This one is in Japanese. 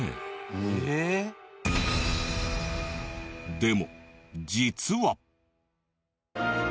でも実は。